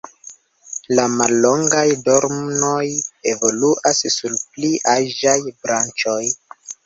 La mallongaj dornoj evoluas sur pli aĝaj branĉoj.